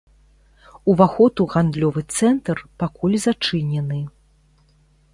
Уваход у гандлёвы цэнтр пакуль зачынены.